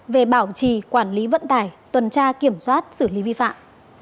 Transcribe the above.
về bảo trì quản lý vận tải tuần tra kiểm soát xử lý vi phạm